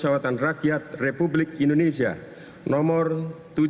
saya yang mendengarkan pembentuk sistem pimpinan